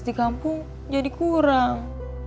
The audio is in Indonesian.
di kampung jadi kurang